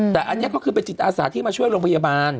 แต่อันนี้ก็คือเป็นจิตอาสาที่มาช่วยโรงพยาบาล